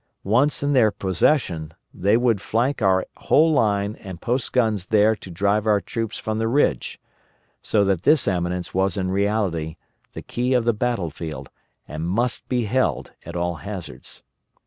Once in their possession they would flank our whole line and post guns there to drive our troops from the ridge; so that this eminence was in reality the key of the battle field, and must be held at all hazards.